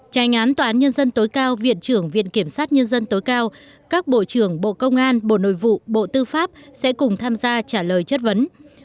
tranh án tòa án nhân dân tối cao viện trưởng viện kiểm sát nhân dân tối cao các bộ trưởng bộ công an bộ nội vụ bộ tư pháp sẽ cùng tham gia trả lời chất vấn